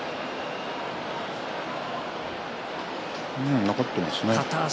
うん、残ってますね。